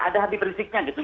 ada habis berisiknya gitu